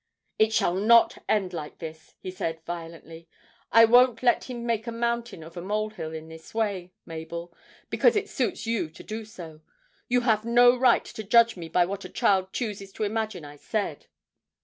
'It shall not end like this!' he said violently; 'I won't let you make a mountain of a molehill in this way, Mabel, because it suits you to do so. You have no right to judge me by what a child chooses to imagine I said!'